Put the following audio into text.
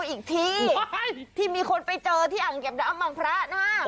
อีกที่ที่มีคนไปเจอที่อ่างเก็บน้ำมังพระนะฮะ